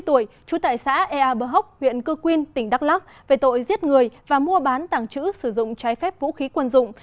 trú tại xã ea bờ hốc huyện cư quyên tỉnh đắk lắc về tội giết người và mua bán tàng trữ sử dụng trái phép vũ khí quân dụng